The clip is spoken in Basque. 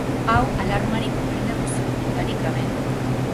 Hau alarmarik hoberena duzu, dudarik gabe.